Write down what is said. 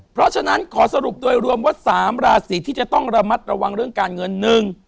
เพราะฉะนั้นขอสรุปโดยรวมว่าสามราศีที่จะต้องระมัดระวังเรื่องการเงินหนึ่ง